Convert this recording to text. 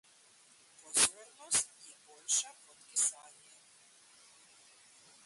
Pozornost je boljša kot kesanje.